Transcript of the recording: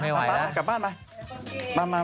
ก็เก่งป่ะสวัสดีคุณผู้ชมก่อนเร็ว